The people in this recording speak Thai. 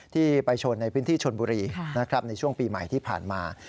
ที่ไปชนในพื้นที่ชนบุรีนะครับในช่วงปีใหม่ที่ผ่านมา